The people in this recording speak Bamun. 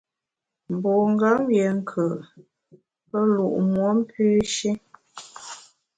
Mbungam yié nkù’, pe lu’ muom pü shi.